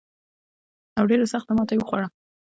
او ډېره سخته ماته یې وخوړه.